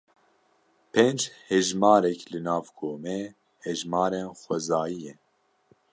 Pênc hejmarek li nav komê hejmarên xwezayî ye.